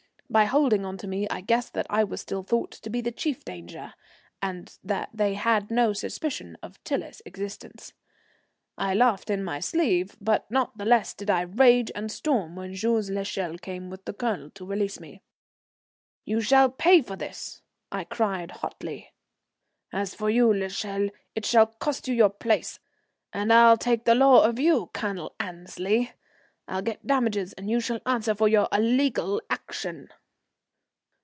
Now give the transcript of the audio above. By holding on to me I guessed that I was still thought to be the chief danger, and that they had no suspicion of Tiler's existence. I laughed in my sleeve, but not the less did I rage and storm when Jules l'Echelle came with the Colonel to release me. "You shall pay for this," I cried hotly. "As for you, l'Echelle, it shall cost you your place, and I'll take the law of you, Colonel Annesley; I'll get damages and you shall answer for your illegal action."